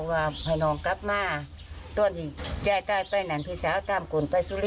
วู้